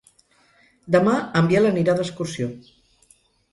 Demà en Biel anirà d'excursió.